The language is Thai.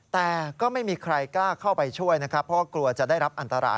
แต่ก็ไม่มีใครกล้าเข้าไปช่วยนะครับเพราะว่ากลัวจะได้รับอันตราย